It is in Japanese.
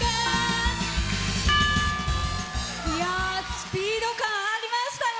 スピード感ありましたよ